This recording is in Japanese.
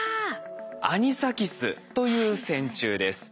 アニサキスという線虫です。